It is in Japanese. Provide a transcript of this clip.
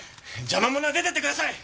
邪魔者は出てってください！